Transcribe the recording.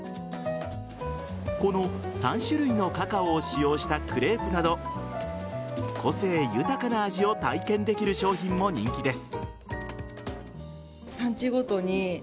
この３種類のカカオを使用したクレープなど個性豊かな味を体験できる商品も人気です。